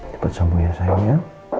tepat sambung ya sayangnya